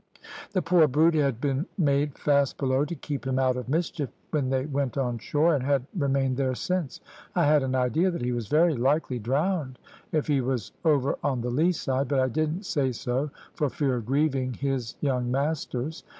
"The poor brute had been made fast below, to keep him out of mischief, when they went on shore, and had remained there since. I had an idea that he was very likely drowned if he was over on the lee side, but I didn't say so for fear of grieving his young masters.